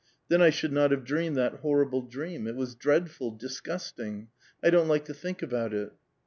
Then I should not have dreamed that horrible dream ; it was dreadful, disgusting ! I don't like to think about it."